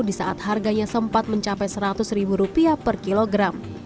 di saat harganya sempat mencapai seratus ribu rupiah per kilogram